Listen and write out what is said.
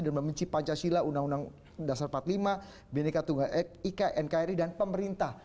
dan membenci pancasila undang undang dasar empat puluh lima bnik tunggal ika nkri dan pemerintah